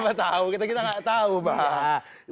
gak tahu kita gak tahu bang